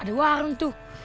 ada warung tuh